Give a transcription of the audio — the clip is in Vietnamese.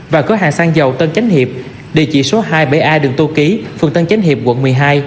và cửa hàng xăng dầu tân chánh hiệp địa chỉ số hai mươi bảy a đường tô ký phường tân chánh hiệp quận một mươi hai